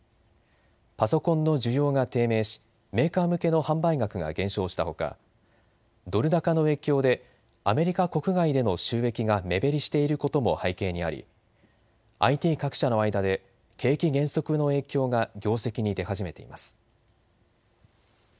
パソコンの需要が低迷しメーカー向けの販売額が減少したほかドル高の影響でアメリカ国外での収益が目減りしていることも背景にあり、ＩＴ各社の間で景気減速の影響が業績に出始めています。